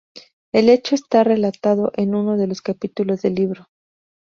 El hecho está relatado en uno de los capítulos del libro.